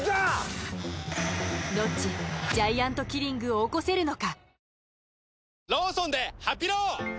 ノッチジャイアントキリングを起こせるのか！？